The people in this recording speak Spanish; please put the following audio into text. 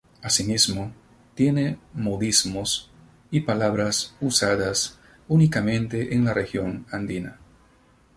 Asimismo, tiene modismos y palabras usadas únicamente en la región andina.